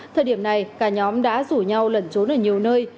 thời điểm này cả nhóm đã rủ nhau lẩn trốn ở nhiều nơi